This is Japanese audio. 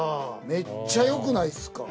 めっちゃよくないっすか。